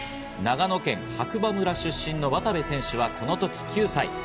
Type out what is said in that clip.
長野県白馬村出身の渡部選手はその時、９歳。